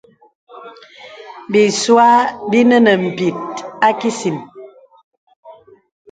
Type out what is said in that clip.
Bìsua bìnə nə̀ m̀bìt a kìsìn.